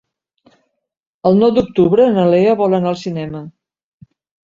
El nou d'octubre na Lea vol anar al cinema.